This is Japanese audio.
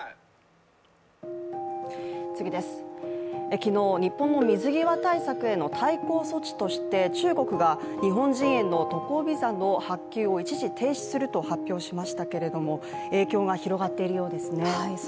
昨日、日本の水際対策への対抗措置として中国が日本人への渡航ビザの発給を一時停止すると発表しましたけれども、影響が広がっているようですね。